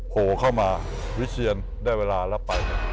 โผล่เข้ามาวิเชียนได้เวลาแล้วไป